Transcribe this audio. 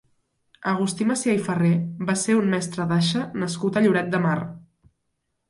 Agustí Macià i Ferrer va ser un mestre d'aixa nascut a Lloret de Mar.